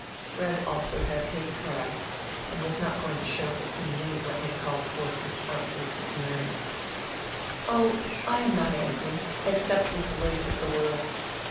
Fred also had his pride, and was not going to show that he knew what had called forth this outburst of Mary's. "Oh, I am not angry, except with the ways of the world.